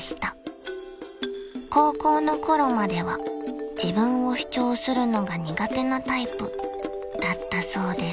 ［高校の頃までは自分を主張するのが苦手なタイプだったそうです］